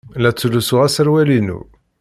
La ttlusuɣ aserwal-inu.